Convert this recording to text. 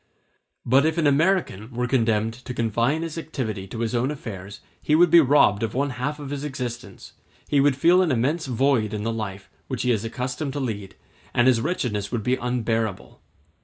But if an American were condemned to confine his activity to his own affairs, he would be robbed of one half of his existence; he would feel an immense void in the life which he is accustomed to lead, and his wretchedness would be unbearable.